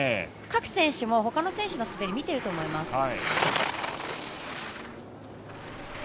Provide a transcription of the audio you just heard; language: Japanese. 各選手、ほかの選手の滑り見ていると思います。